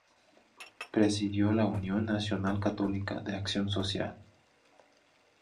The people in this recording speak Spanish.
Presidió la Unión Nacional Católica de Acción Social.